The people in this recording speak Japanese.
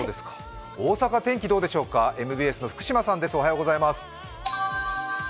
大阪、天気どうでしょうか、ＭＢＳの福島さんです。